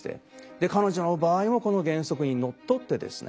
彼女の場合はこの原則にのっとってですね